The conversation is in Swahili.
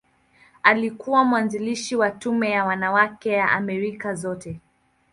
Alikuwa mwanzilishi wa Tume ya Wanawake ya Amerika Zote.